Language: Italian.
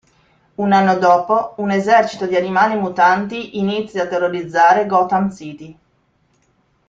Un anno dopo, un esercito di animali mutanti inizia a terrorizzare Gotham City.